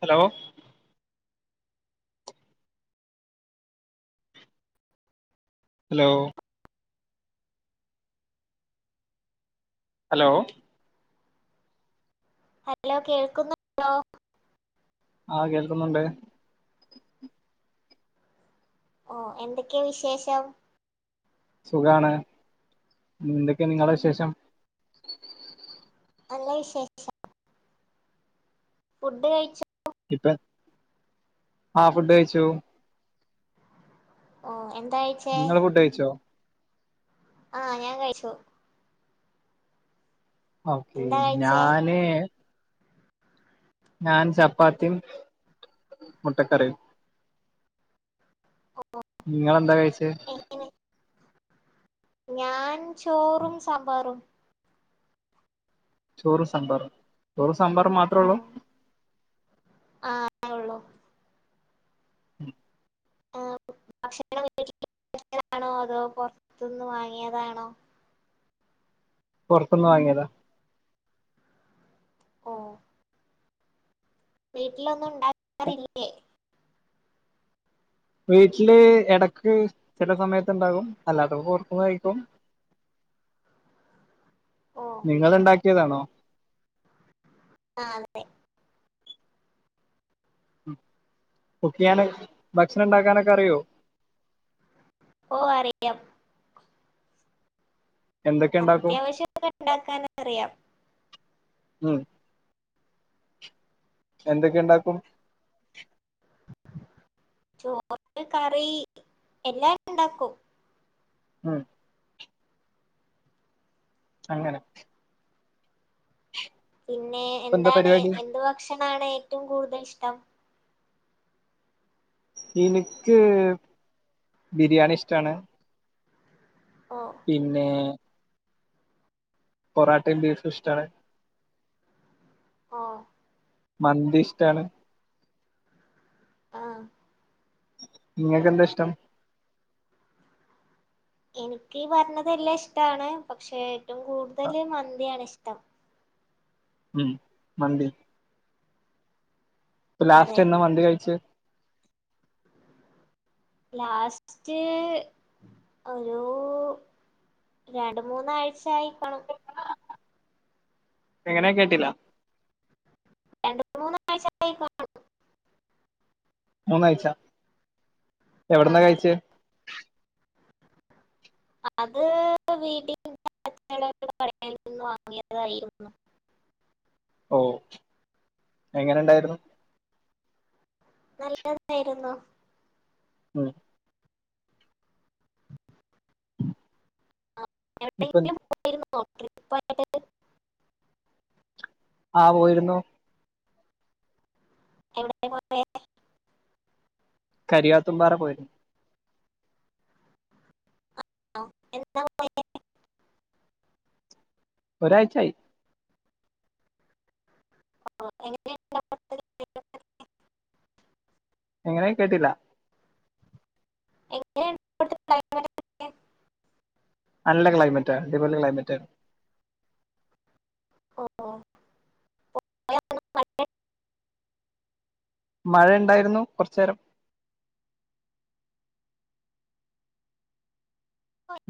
Hello hello hello hello കേൾക്കുന്നുണ്ടോ ആ കേൾക്കുന്നുണ്ട് ഓ എന്തൊക്കെയാ വിശേഷം സുഖാണ് എന്തൊക്കെയ നിങ്ങളെ വിശേഷം നല്ല വിശേഷം ഫുഡ് കഴിച്ച [unintelligible] ഇപ്പ ആ ഫുഡ് കഴിച്ചു ഓ എ നിങ്ങള് ഫുഡയ്ച്ചോ ആഹ് ഞാൻ കഴിച്ചു ഓക്കേ എന്താ കഴിച്ചേ ഞാന് ഞാൻ ചപ്പാത്തിയും മുട്ടക്കറിയും നിങ്ങളെന്താ കഴിച്ചത് എങ്ങനെ ഞാൻ ചോറും സാമ്പാറും ചോറും സാമ്പാറും. ചോറും സാമ്പാറും മാത്രേ ഉള്ളൂ ആ ഉള്ളു ആ ഭക്ഷണ [unintelligible] താണോ അതോ പുറത്തുന്ന് വാങ്ങിയതാണോ പുറത്ത്ന്ന് വാങ്ങിയതാ ഓ വീട്ടിലൊന്നും ഉണ്ടാക്കാറില്ലേ വീട്ടില് എടക്ക് ചില സമയത്ത് ഉണ്ടാകും അല്ലാത്തപ്പം പുറത്തൂന്ന് കഴിക്കും ഓ നിങ്ങള്ണ്ടാക്കിയതാണോ ആല്ലെ കുക്ക് ചെയ്യാന ഭക്ഷണം ഉണ്ടാക്കാനൊക്കെ അറിയോ? ഓ അറിയാം എന്തൊക്കെ ഉണ്ടാക്കും അത്യാവശ്യൊക്കെ ഉണ്ടാക്കാന അറിയാം ഉം എന്തൊക്കെ ഉണ്ടാക്കും ചോറ് കറി എല്ലാം ഉണ്ടാക്കും ഉം അങ്ങനെ പിന്നെ ഇപ്പൊ എന്താ എന്താണ് പരിപാടി എന്ത് ഭക്ഷണാണ് ഏറ്റവും കൂടുതൽ ഇഷ്ടം എനിക്ക് ബിരിയാണി ഇഷ്ടാണ് ഓ പിന്നെ പൊറാട്ടേയും ബീഫും ഇഷ്ടാണ് ഓ മന്തി ഇഷ്ടാണ് ആഹ നിങ്ങൾക്ക് എന്താ ഇഷ്ടം എനിക്ക് പറഞ്ഞതെല്ലാം ഇഷ്ടമാണ് പക്ഷേ ഏറ്റവും ആ, കൂടുതല് മന്തിയാണ് ഇഷ് ത്ത ഉം മന്ദി ഇ അതെ ലാസ്റ്റ് എന്താ മന്തി കഴിച്ച ലാസ്റ്റ് ഒരു രണ്ട മൂന്നാഴ്ച ആയിരിക്കണം എങ്ങനെയ കേട്ടില്ല രണ്ടു മൂന്ന ആഴ്ചായി കാണു മൂന്ന കഴച്ചാ ആ എവിടന്നാ കഴിച്ച അത് വീട്ട ടൽ നിന്ന് വാങ്ങിയതായിരുന്നു ഓ എങ്ങനെണ്ടായിരുന്നു നല്ലതായിുന്നോ ആഹ ആ, ഇപ്പൊ എവിടെയെങ്കിലും പോയിരുന്നോ ട്രിപ്പായിട്ട് ആഹ് പോയിരുന്നു എവിടെ പോ കരിയാത്തുമ്പാറ പോയിരുന്നു ആ എന്ത ഒരാഴ്ചയായി ആ എങ്ങന എങ്ങനെ കേട്ടില്ല എങ്ങനെയ അണല്ല ക്ലൈമറ്റ് ഡിപല്ല ക്ലൈമറ്റ് ഓ ഓ മഴയ ഉണ്ടായിരുന്നു കുറച്ചു നേരം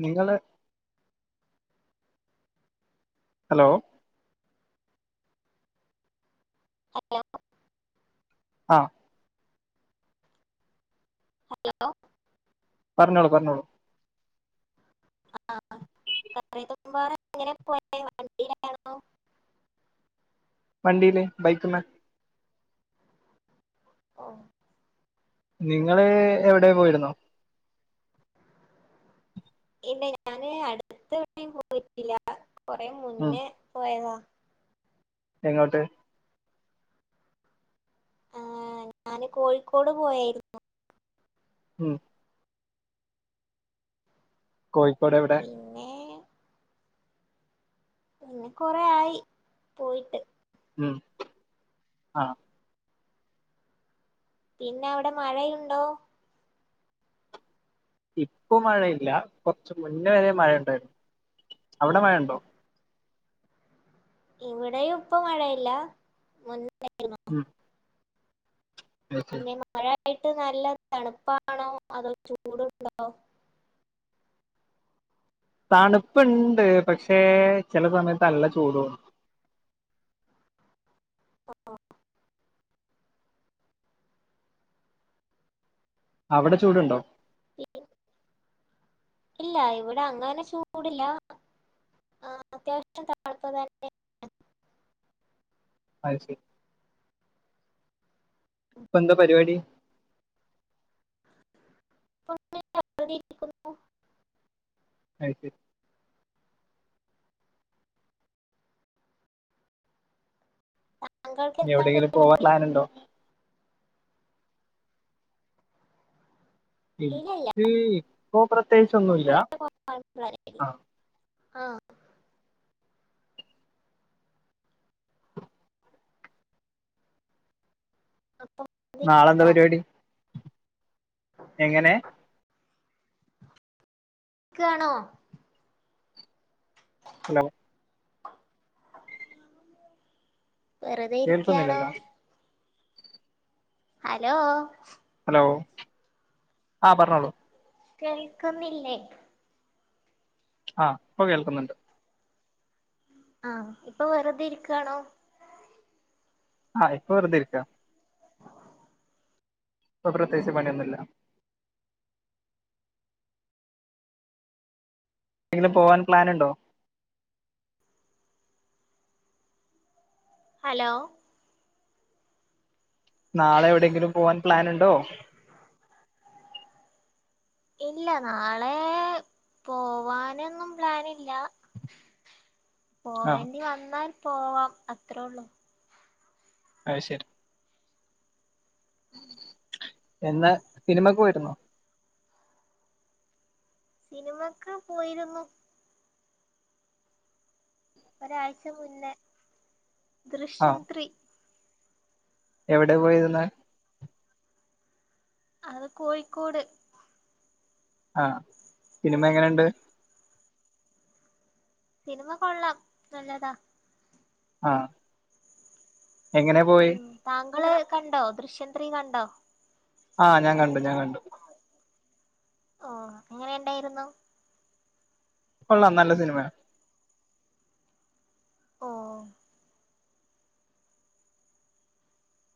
നിങ്ങള് ഹലോ ഹലോ ആഹ ഹലോ പറഞ്ഞോളൂ പറഞ്ഞോളൂ ആഹ [inaudible] എങ്ങനെ പോയ വണ്ടിയിൽ ആണോ വണ്ടില് ബൈക്ക്മേ ആഹ നിങ്ങള് എവിടെ പോയിരുന്നോ ഇല്ല ഞാന് അടുത്ത എവിടെ പോയിട്ടില്ല കൊറെ ഉം മുന്നേ പോയതാ എങ്ങോട്ട് ആ ഞാന് കോഴിക്കോട് പോയായിരുന്നു ഉം കോഴിക്കോട് എവിടെ പിന്നെ പിന്നെ കൊറെ ആയി പോയിട്ട് ഉം ആഹ പിന്നെ അവിടെ മഴയുണ്ടോ ഇപ്പൊ മഴയില്ല കൊറച്ച് മുന്നെ വരെ മഴുണ്ടായിരുന്നു അവിടെ മഴയുണ്ടോ ഇവിടെയും ഇപ്പ മഴയില്ല മുന്നെയിരിന്നു ഉം അത് ശരി പിന്നെ മഴ യിട്ട് നല്ല തണുപ്പാണോ അതോ ചൂടുണ്ടോ തണുപ്പുണ്ട് പക്ഷേ ചില സമയത്ത് നല്ല ചൂടുണ്ട് ആ അവിടെ ചൂടുണ്ടോ ഇല്ല ഇവിടെ അങ്ങനെ ചൂടില്ല ആ അത്യാവശ്യം താണുപ്പ് തന്നെ അത്ശരി എന്താ പരിപാടി ിക [inaudible] ആത്ശരി താങ്കൾക്ക് ഇനി എന്താണ് എവിടെങ്കിലും പോവാൻ പരിപാടി പ്ലാനുണ്ടോ ഇല്ലില്ല എനിക്ക് ഇപ്പൊ ഇപ്പോൾ പ്രത്യേകിച്ചൊന്നുമല്ല ആഹ ആഹ അപ്പം നാളെന്താ ആണോ പരിപാടി എങ്ങനെ എിക്കാണോ ഹലോ വെറുതെ ഇരിക്കയാണോ കേൾക്കുന്നില്ലല്ലോ ഹലോ ആഹ പറഞ്ഞോളൂ കേൾക്കുന്നില്ലേ ആഹ് ഇപ്പൊ കേൾക്കുന്നുണ്ട് ആഹ ഇപ്പൊ വെറുതെ ഇരിക്കുയാണോ ആഹ ഇപ്പൊ വെറുതെ ഇരിക്ക ഇപ്പൊ പ്രത്യേകിച്ച് പണിയൊന്നുമില്ല എങ്കിലും പോവാൻ പ്ലാനുണ്ടോ ഹലോ നാളെ എവിടെയെങ്കിലും പോവാൻ പ്ലാനുണ്ടോ ഇല്ല നാളെ പോവാനൊന്നും പ്ലാനില്ല ആ പോവേണ്ടി വന്നാൽ പോവാം അത്രേ ഉള്ളൂ ആ ശരി എന്നാ സിനിമക്കെ പോയിരുന്നോ സിനിമക്ക് പോയിരുന്നു ഒരാഴ്ച മുന്നേ ആ. ദൃശ്യം ത്രീ എവിടെ പോയിരുന്ന അത് കോഴിക്കോട് ആഹ സിനിമ എങ്ങനെുണ്ട് സിനിമ കൊള്ളാം നല്ലതാ ആഹ എങ്ങനൊ പോയ ഉം താങ്കള് കണ്ടോ ദൃഷ്യന്ത്ത്രീ കണ്ടോ ആഹ ഞാൻ കണ്ടു ഞാൻ കണ്ടു ഓ അങ്ങനെ ഉണ്ടായിരുന്നു കൊള്ളാം നല്ല സിനിമയ ഓ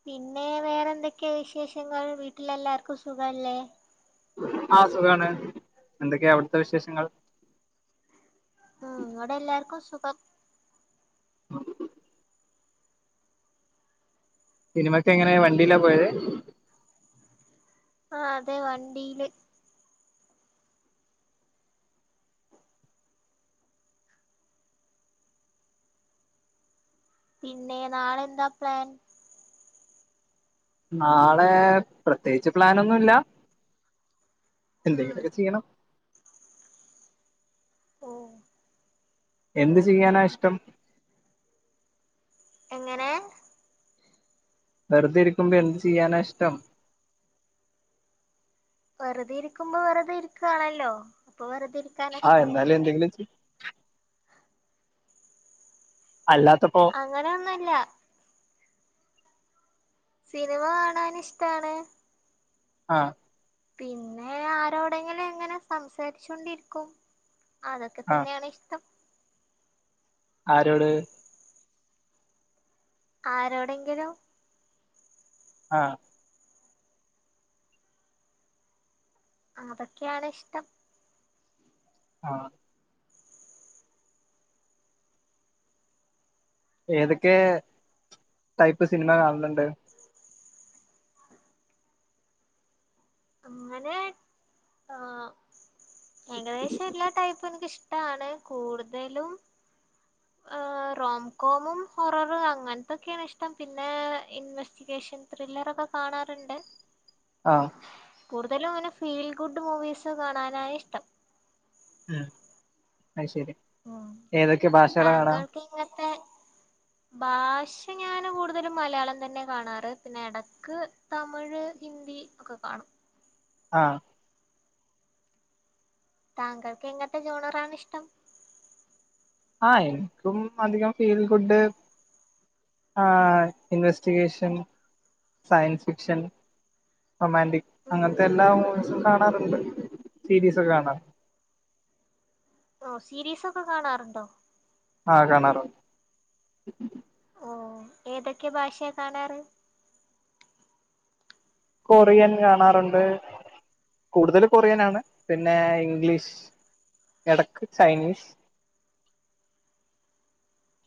പിന്നെ വേറെന്തൊക്കെയാ വിശേഷങ്ങൾ വീട്ടിലെല്ലാർക്കും സുഖല്ലേ ആഹ സുഖാണ് എന്തൊക്കെയാ അവിടുത്തെ വിശേഷങ്ങൾ ഉ ഇോടെ എല്ലാർക്കും സുഖം ആഹ സിനിമക്ക് എങ്ങനെയ വണ്ടില്ലാ പോയത് ആ അതെ വണ്ടിയില് പിന്നെ നാളെ എന്താ പ്ലാൻ നാളെ പ്രത്യേകിച്ച് പ്ലൻൊ ഒന്നുമല്ല എന്ത ക ഉം ക ചെയയണം ഓ എന്ത് ചെയ്യാനാ ഇഷ്ടം എങ്ങനെ വെറുതെ ഇരിക്കുമ്പോ എന്ത് ചെയ്യാനാ ഇഷ്ടം വെറുതെ ഇരിക്കുമ്പോ വെറുതെ ഇരിക്കുകയാണല്ലോ ആഹ് എന്താലും എന്തെങ്കിലും അല്ലാത്തപ്പോ? അങ്ങനെൊന്നുമല്ല സിനിമ കാണൻ ഇഷ്ടാണ് ആഹ പിന്നെ ആരോടെങ്കിലും എങ്ങനെ സംസാരിച്ചോ കൊണ്ടിരിക്കും അതൊക്കെ ആ തന്നെയാണ് ഇഷ്ടം ആരോട് ആരോടെങ്കിലും ആഹ അതൊക്കെയാണ് ഇഷ്ടം ആഹ ഏതൊക്കെ ടൈപ്പ് സിനിമ കാണുന്നുണ്ട് അങ്ങനെ ആ ഏകദേശം എല്ലാ ടൈപ്പ് ഇ എനിക്കിഷ്ടമാണ് കൂടുതലും റോംകോമും ഹോററും അങ്ങനത്തൊക്കെയാണ് ഇഷ്ടം പിന്നെ ഇൻവെസ്റ്റിഗേഷ ം ത്രില്ലറൊക്കെ കാണാറുണ്ട് ആഹ കൂടുതലും അങ്ങനെ ഫീൽ ഗുഡ് മൂവീസ് കാണാനായ ഇഷ്ടം ഉം അ ശരി ഉം ഏതൊക്കെ ഭാഷകളെ കാണാം താങ്കൾക്ക് ഇങ്ങനത്തെ ഭാഷ ഞാന് കൂടുതലും മലയാളം തന്നെ കാണാറ് പിന്നെ ഇടക്ക് തമിഴ് ഹിന്ദ ഒക്കെ കാണും ആഹ താങ്കൾക്ക് എങ്ങനത്തെ ജൂണറണ ഇഷ്ടം ആഹ എനിക്കും അധികം ഫീൽ ഗുഡ് ആ ഇൻവെസ്റ്റിഗേഷൻ സയൻസ് ഫിക്ഷൻ റൊമാന്റിക് ഉം അങ്ങനത്തെ എല്ലാ മൂവീസും കാണാറ്ണ്ട് സീരീസൊക്കെ കാണാ ഓ സീരീസൊക്കെ കാണാറുണ്ടോ ആ കാണാറുണ്ട് ഓ ഏതൊക്കെ ഭാഷേ കാണാറ് കൊറിയൻ കാണാറ്ണ്ട് കൂടുതൽ കൊറിയനാണ് പിന്നെ ഇംഗ്ലീഷ് എടക്ക് ചൈനീസ്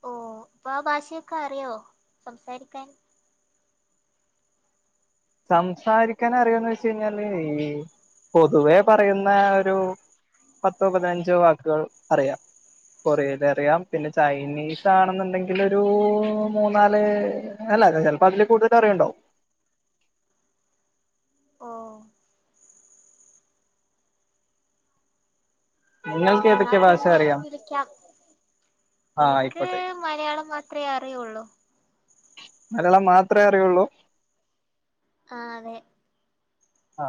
ഓ ഇപ്പൊ ആ ഭാഷയൊക്കെറിയോ സംസാരിക്കാൻ സംസാരിക്കാൻ അറിയൊന്ന് ചോയിച്ച് കഴിഞ്ഞാല് ഈ പൊതുവേ പറയുന്ന ഒരു പത്തോ പതിനഞ്ചോ വാക്ക്കൾ അറിയാം കൊറിയൽ അറിയാം പിന്നെ ചൈനീസ് ആണെന്നുണ്ടെങ്കിൽ ഒരു മൂന്നാല് അല്ല ചിലപ്പോ അതില് കൂടുതൽ അറിയ്ണ്ടാകും [inaudible] ഓ നിങ്ങൾക്ക് എന്നാ ഏതൊക്കെ ഭാഷ പിന്നെ അറിയാം വിളിക്കാം ആ എനിക്ക് ആയിക്കോട്ടെ മലയാളം മാ ത്രേ അറിയൊള്ളൂ മലയാളം മാത്രമേ അറിയുള്ളൂ ആ അതെ ആ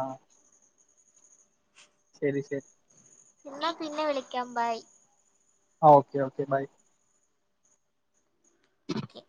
ശരി ശരി എന്നാ പിന്നെ വിളിക്കാം bye okay okay bye okay